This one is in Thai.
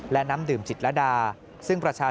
และน้ำดื่มจิตระดา